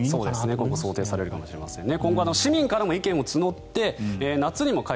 今後想定されるかもしれませんね。